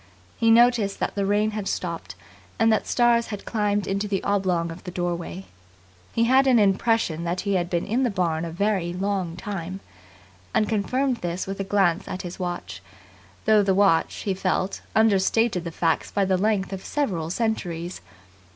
He noticed that the rain had stopped, and that stars had climbed into the oblong of the doorway. He had an impression that he had been in the barn a very long time; and confirmed this with a glance at his watch, though the watch, he felt, understated the facts by the length of several centuries.